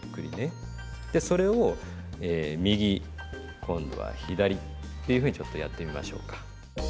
でそれを右今度は左っていうふうにちょっとやってみましょうか。